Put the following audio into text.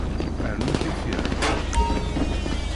Rnu tifyar.